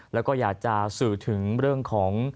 แล้วก็อยากจะสื่อถึงเรื่องของ